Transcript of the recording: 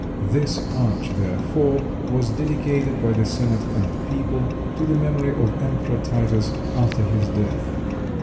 This arch, therefore, was dedicated by the senate and people to the memory of Emperor Titus after his death.